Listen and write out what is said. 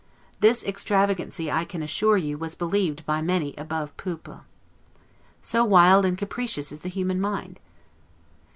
This extravagancy, I can assure you, was believed by many above peuple. So wild and capricious is the human mind!